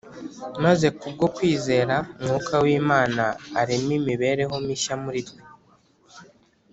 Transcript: Maze kubwo kwizera, Mwuka w’Imana areme imibereho mishya muri twe